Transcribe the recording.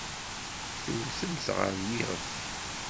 Tewtem-t ɣer yiɣef.